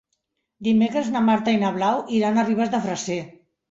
Dimecres na Marta i na Blau iran a Ribes de Freser.